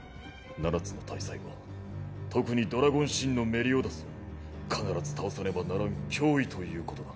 七つの大罪は特に憤怒の罪のメリオダスは必ず倒さねばならん脅威ということだ。